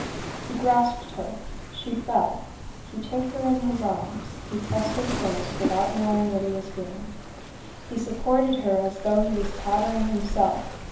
He grasped her, she fell, he took her in his arms, he pressed her close, without knowing what he was doing. He supported her, though he was tottering himself.